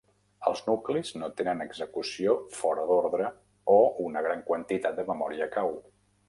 Els nuclis no tenen execució fora d'ordre o una gran quantitat de memòria cau.